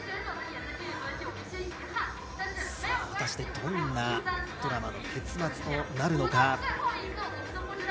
果たして、どんなドラマの結末となるのか。